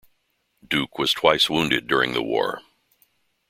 Duke was twice wounded during the War.